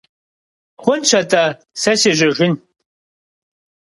Хъунщ атӏэ, сэ сежьэжын.